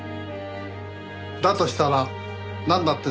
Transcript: だとしたらなんだってんだい？